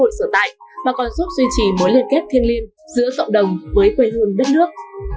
mà còn giúp duy trì mối liên kết thiên liên giữa cộng đồng với quê hương đất nước